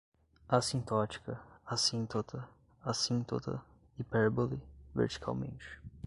assintótica, assintota, assíntota, hipérbole, verticalmente